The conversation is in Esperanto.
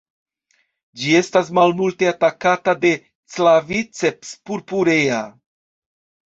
Ĝi estas malmulte atakata de "Claviceps purpurea".